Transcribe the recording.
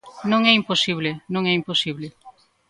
Non é imposible, non é imposible.